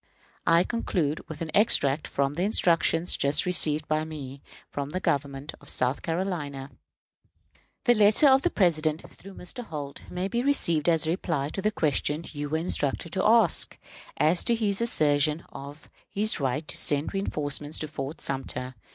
I conclude with an extract from the instructions just received by me from the government of South Carolina: "The letter of the President, through Mr. Holt, may be received as the reply to the question you were instructed to ask, as to his assertion of his right to send reënforcements to Fort Sumter.